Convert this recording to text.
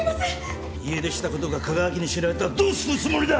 家出したことが香川家に知られたらどうするつもりだ！